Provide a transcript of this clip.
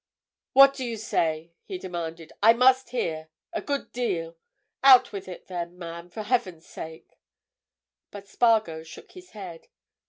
"What do you say?" he demanded. "I must hear—a good deal! Out with it, then, man, for Heaven's sake." But Spargo shook his head.